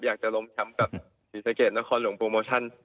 อยากจะล้มช้ำกับศิษยาเกียรตินครหลวงโปรโมชั่น